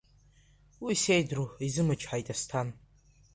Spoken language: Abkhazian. Уи сеидру, изымычҳаит Асҭан.